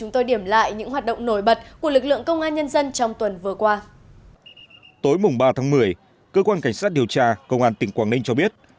tối mùng ba tháng một mươi cơ quan cảnh sát điều tra công an tỉnh quảng ninh cho biết